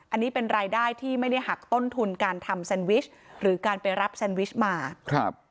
อันนี้เป็นรายได้ที่ไม่ได้หักต้นทุนการทำแซนวิชหรือการไปรับแซนวิชมาครับ